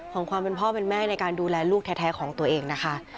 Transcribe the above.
ของความเป็นพ่อเป็นแม่ในการดูแลลูกแท้ของตัวเองนะคะ